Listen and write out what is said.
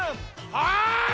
はい！